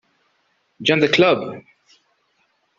Join the Club.